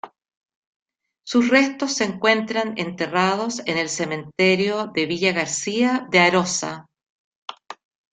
Sus restos se encuentran enterrados en el cementerio de Villagarcía de Arosa.